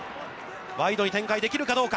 ワイドに展開できるかどうか。